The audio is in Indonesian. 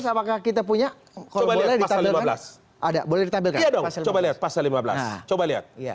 apakah kita punya coba boleh ditampilkan ada boleh ditampilkan coba lihat pasal lima belas coba lihat